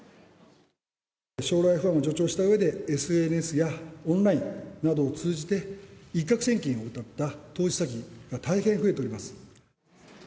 将来不安を助長したうえで、ＳＮＳやオンラインなどを通じて、一獲千金をうたった投資詐欺が大変増えております。